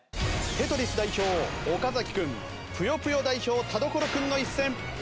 『テトリス』代表岡君『ぷよぷよ』代表田所君の一戦。